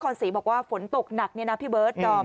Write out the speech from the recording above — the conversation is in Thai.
ศรีบอกว่าฝนตกหนักเนี่ยนะพี่เบิร์ดดอม